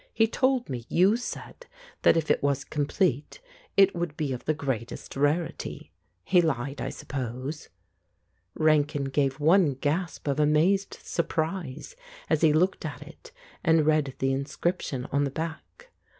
He told me you said that if it was complete it would be of the greatest rarity. He lied, I suppose?" Rankin gave one gasp of amazed surprise as he looked at it and read the inscription on the back.